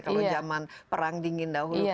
kalau zaman perang dingin dahulu